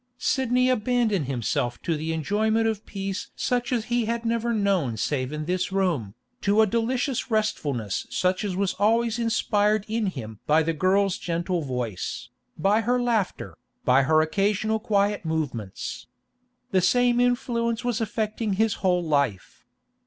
Sidney abandoned himself to the enjoyment of peace such as he had never known save in this room, to a delicious restfulness such as was always inspired in him by the girl's gentle voice, by her laughter, by her occasional quiet movements. The same influence was affecting his whole life.